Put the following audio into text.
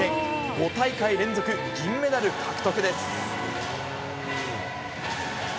５大会連続、銀メダル獲得です。